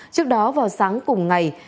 trước đó vào sáng cùng ngày